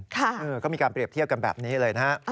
เขามีการเปรียบเทียบกันแบบนี้เลยนะฮะ